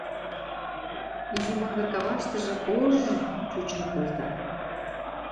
Изи монгыр каваштыжы кож-ж чучын колта.